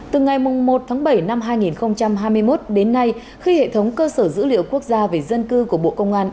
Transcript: từ ngày một tháng bảy năm hai nghìn hai mươi một đến nay khi hệ thống cơ sở dữ liệu quốc gia về dân cư của bộ công an